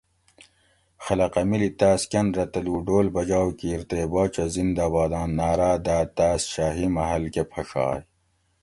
خلقہ مِلی تاۤس کن رہ تلو ڈول بجاؤ کیر تے باچہ زندہ باداۤں نعراۤ داۤ تاۤس شاۤہی محل کہۤ پھڛائ